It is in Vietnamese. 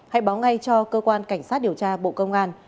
hãy báo ngay cho cơ quan cảnh sát điều tra bộ công an